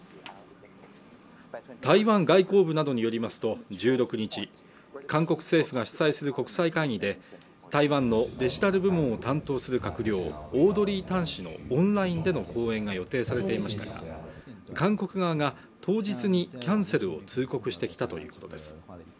台湾外交部などによりますと１６日韓国政府が主催する国際会議で台湾のデジタル部門を担当する閣僚オードリー・タン氏のオンラインでの講演が予定されていましたが韓国側が当日にキャンセルを通告してきたということです